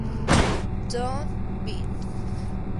Don't Bend!